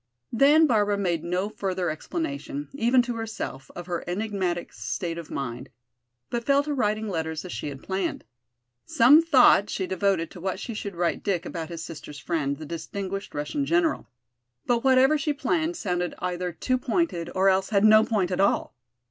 Then Barbara made no further explanation, even to herself, of her enigmatic state of mind, but fell to writing letters as she had planned. Some thought she devoted to what she should write Dick about his sister's friend, the distinguished Russian general. But whatever she planned sounded either too pointed or else had no point at all.